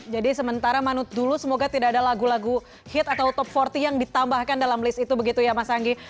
jadi sementara manut dulu semoga tidak ada lagu lagu hit atau top empat puluh yang ditambahkan dalam list itu begitu ya mas anggi